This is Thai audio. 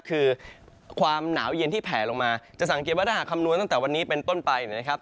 คือความหนาวเย็นที่แผลลงมาจะสังเกตว่าถ้าหากคำนวณตั้งแต่วันนี้เป็นต้นไปนะครับ